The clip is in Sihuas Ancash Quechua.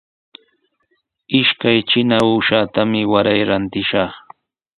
Ishkay trina uushatami waray rantishaq.